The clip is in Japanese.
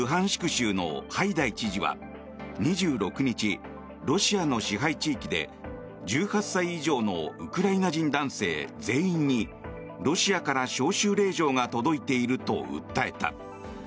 州のハイダイ知事は２６日、ロシアの支配地域で１８歳以上のウクライナ人男性全員にロシアから招集令状が届いていると訴えた。